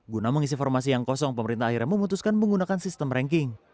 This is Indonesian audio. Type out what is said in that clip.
guna mengisi formasi yang kosong pemerintah akhirnya memutuskan menggunakan sistem ranking